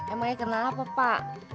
emangnya kena apa pak